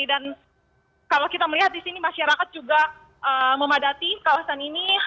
dan kalau kita melihat di sini masyarakat juga memadati kawasan ini